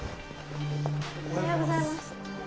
おはようございます。